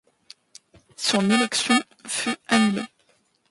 Son élection fut annulée.